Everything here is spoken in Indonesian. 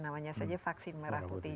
namanya saja vaksin merah putih